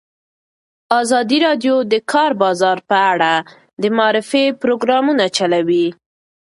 ازادي راډیو د د کار بازار په اړه د معارفې پروګرامونه چلولي.